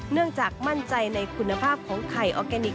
เนื่องจากมั่นใจในคุณภาพของไข่ออร์แกนิค